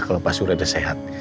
kalau pasurya udah sehat